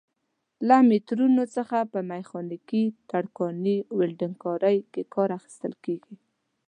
له مترونو څخه په میخانیکي، ترکاڼۍ، ولډنګ کارۍ کې کار اخیستل کېږي.